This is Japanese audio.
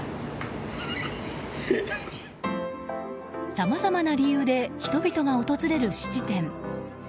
さまざまな理由で人々が訪れる質店。